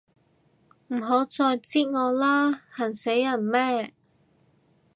唔好再擳我啦，痕死人咩